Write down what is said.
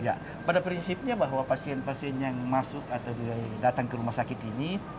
ya pada prinsipnya bahwa pasien pasien yang masuk atau datang ke rumah sakit ini